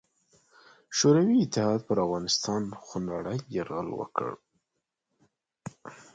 شوروي اتحاد پر افغانستان خونړې یرغل وکړ.